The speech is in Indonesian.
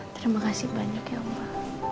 terima kasih banyak ya